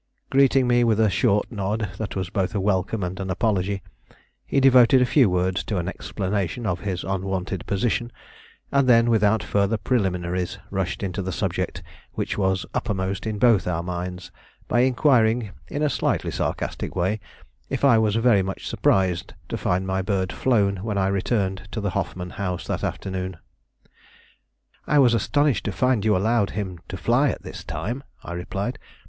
Greeting me with a short nod that was both a welcome and an apology, he devoted a few words to an explanation of his unwonted position; and then, without further preliminaries, rushed into the subject which was uppermost in both our minds by inquiring, in a slightly sarcastic way, if I was very much surprised to find my bird flown when I returned to the Hoffman House that afternoon. "I was astonished to find you allowed him to fly at this time," I replied.